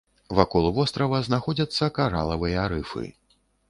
Вакол вострава знаходзяцца каралавыя рыфы.